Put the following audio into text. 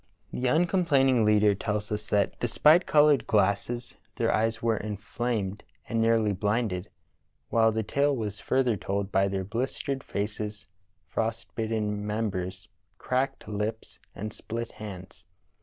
The uncomplain ing leader tells us that despite colored glasses their eyes were inflamed and nearly blinded, while the tale was further told by their blistered faces, frost bitten mem bers, cracked lips, and split hands.